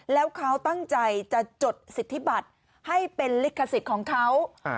แล้วเขาตั้งใจจะจดสิทธิบัตรให้เป็นลิขสิทธิ์ของเขา